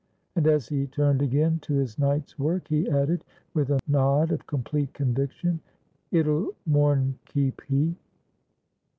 And as he turned again to his night's work he added, with a nod of complete conviction, "It'll more'n keep he."